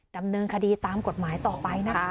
ดำเนินคดีตามกฎหมายต่อไปนะคะ